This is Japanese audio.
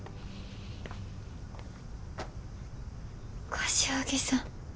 柏木さん。